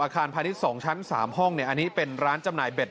พาณิชย์๒ชั้น๓ห้องอันนี้เป็นร้านจำหน่ายเบ็ด